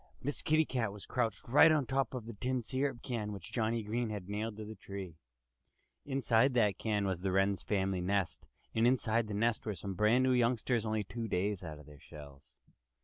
Miss Kitty Cat was crouched right on top of the tin syrup can which Johnnie Green had nailed to the tree. Inside that can was the Wren family's nest. And inside the nest were some brand new youngsters, only two days out of their shells.